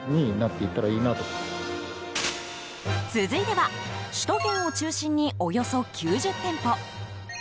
続いては首都圏を中心におよそ９０店舗。